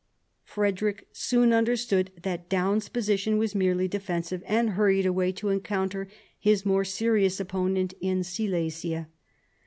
Frederick soon understood that Daun's position was merely defensive, and hurried away to encounter his more serious opponent in Silesia.